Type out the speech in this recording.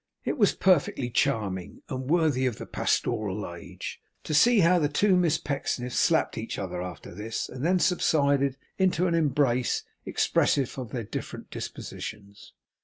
It was perfectly charming, and worthy of the Pastoral age, to see how the two Miss Pecksniffs slapped each other after this, and then subsided into an embrace expressive of their different dispositions.